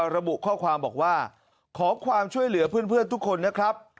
ระบุข้อความบอกว่าขอความช่วยเหลือเพื่อนทุกคนนะครับ